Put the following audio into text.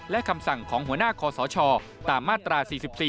และคำสั่งของหัวหน้าคอสชตามมาตรา๔๔